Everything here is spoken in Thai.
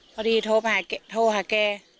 พอดีโทรห้าแก